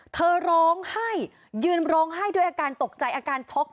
เธอร้องไห้ยืนร้องไห้ด้วยอาการตกใจอาการช็อก